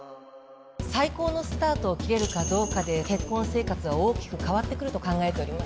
最高のスタートを切れるかどうかで結婚生活は大きく変わってくると考えております。